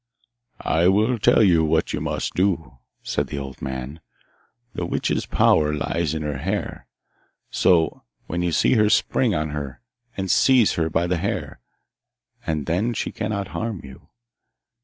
'I will tell you what you must do,' said the old man. 'The witch's power lies in her hair; so when you see her spring on her and seize her by the hair, and then she cannot harm you.